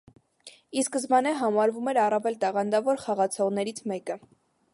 Ի սկզբանե համարվում էր առավել տաղանդավոր խաղացողներից մեկը։